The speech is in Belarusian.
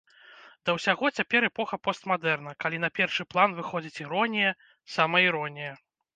Да ўсяго, цяпер эпоха постмадэрна, калі на першы план выходзіць іронія, самаіронія.